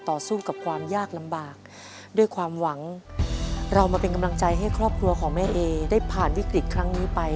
ต่อสู้กับความยากลำบากด้วยความหวังเรามาเป็นกำลังใจให้ครอบครัวของแม่เอได้ผ่านวิกฤตครั้งนี้ไป